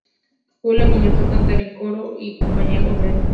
Julia comenzó a cantar en un coro y en una compañía de ópera juvenil.